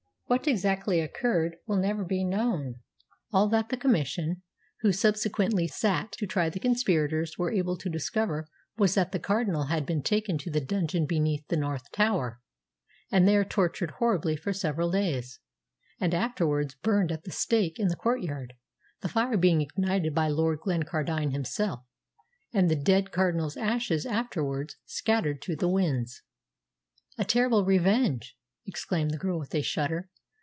What exactly occurred will never be known. All that the Commission who subsequently sat to try the conspirators were able to discover was that the Cardinal had been taken to the dungeon beneath the north tower, and there tortured horribly for several days, and afterwards burned at the stake in the courtyard, the fire being ignited by Lord Glencardine himself, and the dead Cardinal's ashes afterwards scattered to the winds." "A terrible revenge!" exclaimed the girl with a shudder.